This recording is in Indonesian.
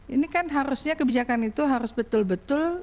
ini kan harusnya kebijakan itu harus betul betul